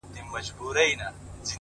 هغه د هر مسجد و څنگ ته ميکدې جوړي کړې!